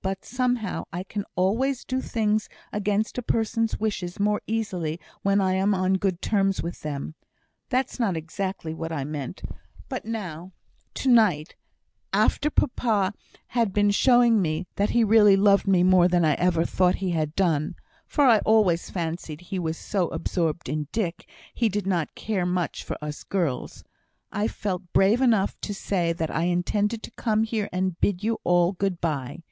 But, somehow, I can always do things against a person's wishes more easily when I am on good terms with them that's not exactly what I meant; but now to night, after papa had been showing me that he really loved me more than I ever thought he had done (for I always fancied he was so absorbed in Dick, he did not care much for us girls), I felt brave enough to say that I intended to come here and bid you all good bye.